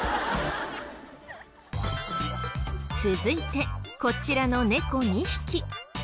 続いてこちらの猫２匹。